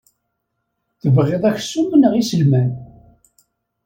Tebɣiḍ aksum neɣ iselman?